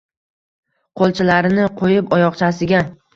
Qo’lchalarini qo’yib oyoqchasiga